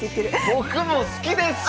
僕も好きです！